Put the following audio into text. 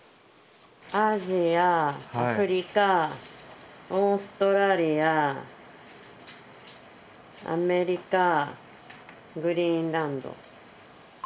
アジアアフリカオーストラリアアメリカグリーンランド。